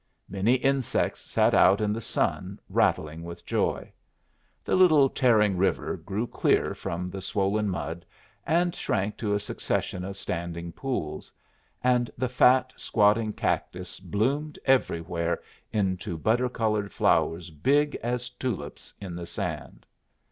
Many insects sat out in the sun rattling with joy; the little tearing river grew clear from the swollen mud, and shrank to a succession of standing pools; and the fat, squatting cactus bloomed everywhere into butter colored flowers big as tulips in the sand.